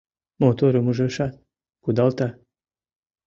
Моторым ужешат - кудалта.